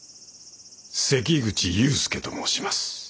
関口雄介と申します。